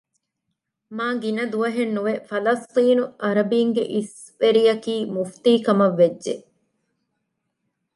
މާގިނަ ދުވަހެއް ނުވެ ފަލަސްޠީނު އަރަބީންގެ އިސްވެރިއަކީ މުފްތީކަމަށް ވެއްޖެ